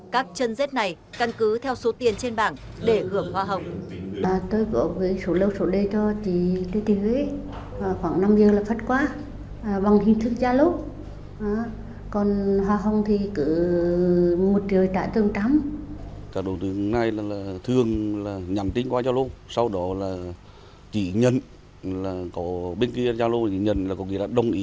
các chân dết này căn cứ theo số tiền trên bảng để hưởng hoa hồng